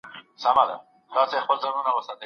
ډیپلوماټان به د بې عدالتۍ مخنیوی کوي.